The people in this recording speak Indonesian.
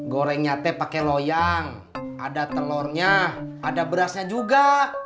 gorengnya teh pakai loyang ada telurnya ada berasnya juga